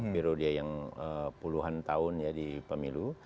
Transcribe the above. biro dia yang puluhan tahun jadi pemilu